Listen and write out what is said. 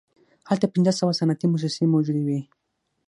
هلته پنځه سوه صنعتي موسسې موجودې وې